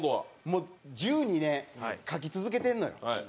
もう１２年描き続けてるのよ。